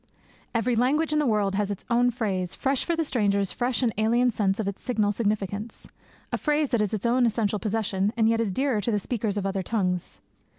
Every language in the world has its own phrase, fresh for the stranger's fresh and alien sense of its signal significance; a phrase that is its own essential possession, and yet is dearer to the speaker of other tongues.